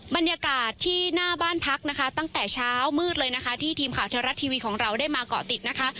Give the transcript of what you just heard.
บรรยากาศที่หน้าบ้านพักนะคะตั้งแต่เช้ามืดเลยนะคะที่ทีมข่าวเทวรัฐทีวีของเราได้มาเกาะติดนะคะ